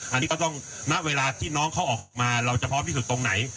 อันนี้ก็ต้องณเวลาที่น้องเขาออกมาเราจะพร้อมที่สุดตรงไหน